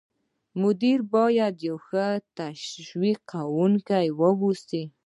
مدیر باید یو ښه تشویق کوونکی واوسي.